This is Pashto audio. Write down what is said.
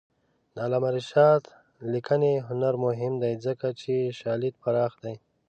د علامه رشاد لیکنی هنر مهم دی ځکه چې شالید پراخ دی.